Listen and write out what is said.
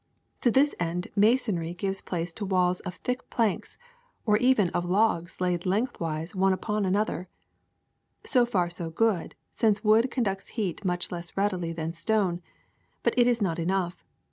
To this end masonrj^ gives place to 84 THE SECRET OF EVERYDAY THINGS walls of thick planks or even of lo2:s laid lengthwise one upon another. So far so good, since wood con ducts heat much less readily than stone ; but it is not enough.